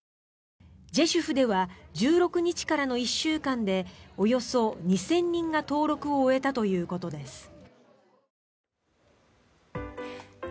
ジェシュフでは１６日からの１週間でおよそ２０００人が登録を終えたということです。